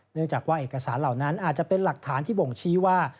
เนื่องจากว่าเอกสารเหล่านั้นอาจจะเป็นหลักฐานที่บ่งชี้ว่า